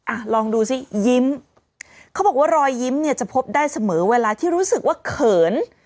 อ่ะลองดูสิยิ้มเขาบอกว่ารอยยิ้มเนี่ยจะพบได้เสมอเวลาที่รู้สึกว่าเขิน